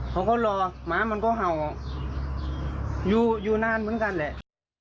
เขาก็รอหมามันก็เห่าอยู่อยู่นานเหมือนกันแหละ